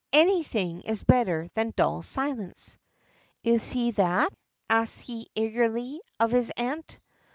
Anything is better than dull silence. "Is he that?" asks he, eagerly, of his aunt.